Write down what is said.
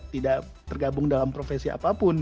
tidak tergabung dalam profesi apapun